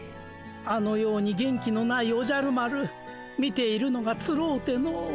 あのように元気のないおじゃる丸見ているのがつろうての。